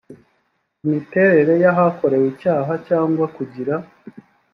imiterere y ahakorewe icyaha cyangwa kugira